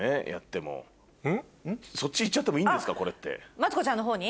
マツコちゃんの方に？